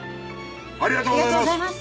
ありがとうございます！